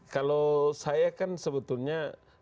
kalau saya kan sebetulnya